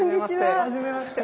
はじめまして。